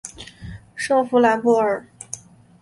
圣夫兰博尔。